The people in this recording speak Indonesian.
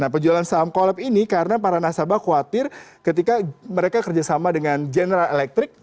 penjualan saham collap ini karena para nasabah khawatir ketika mereka kerjasama dengan general elektrik